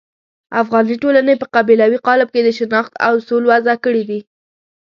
افغاني ټولنې په قبیلوي قالب کې د شناخت اصول وضع کړي دي.